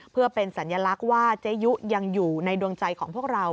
เพื่อเป็นสัญลักษณ์ว่าเจยุยังอยู่ในดวงใจของพวกเรา